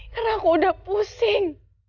karena aku udah pusing